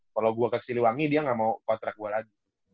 kalo gua ke siliwangi dia gak mau kontrak gua lagi